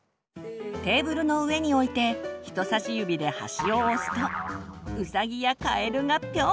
テーブルの上に置いて人さし指で端を押すとウサギやカエルがぴょん！